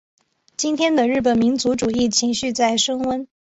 今天的日本民族主义情绪在升温。